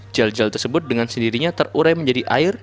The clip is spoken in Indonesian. gel gel tersebut dengan sendirinya terurai menjadi air